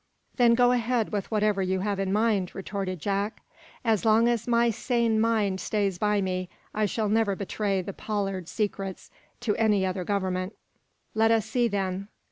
"Then go ahead with whatever you have in mind," retorted Jack. "As long as my sane mind stays by me I shall never betray the Pollard secrets to any other government!" "Let us see, then!"